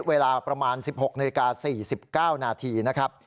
เวลาประมาณ๑๖นาฬิกา๔๙นาทีนะครับ